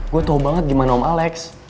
gue tau banget gimana om alex